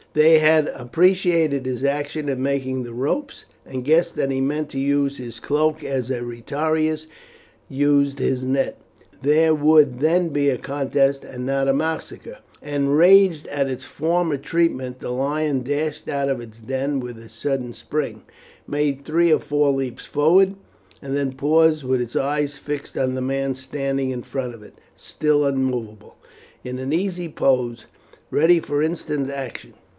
They had appreciated his action in making the ropes, and guessed that he meant to use his cloak as a retiarius used his net; there would then be a contest and not a massacre. Enraged at its former treatment the lion dashed out of its den with a sudden spring, made three or four leaps forward, and then paused with its eyes fixed on the man standing in front of it, still immovable, in an easy pose, ready for instant action.